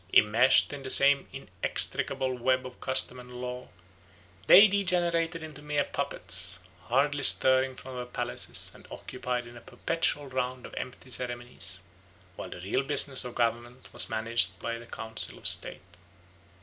Immeshed in the same inextricable web of custom and law, they degenerated into mere puppets, hardly stirring from their palaces and occupied in a perpetual round of empty ceremonies, while the real business of government was managed by the council of state.